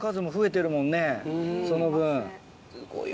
その分。